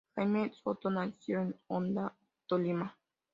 Jaime Soto nació en Honda Tolima.